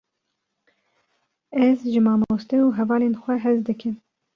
Ez ji mamoste û hevalên xwe hez dikim.